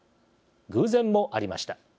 偶然もありました。